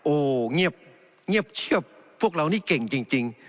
โอ้เงียบเงียบเชียบพวกเรานี่เก่งจริงจริง